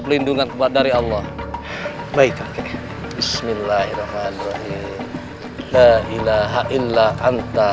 pelindungan kepada dari allah baik kakek bismillahirrahmanirrahim la ilaha illa anta